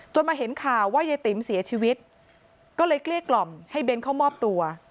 มาเห็นข่าวว่ายายติ๋มเสียชีวิตก็เลยเกลี้ยกล่อมให้เบ้นเข้ามอบตัว